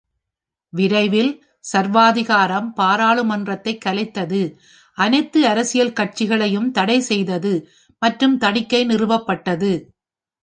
விரைவில், சர்வாதிகாரம் பாராளுமன்றத்தை கலைத்தது, அனைத்து அரசியல் கட்சிகளையும் தடை செய்தது மற்றும் தணிக்கை நிறுவப்பட்டது.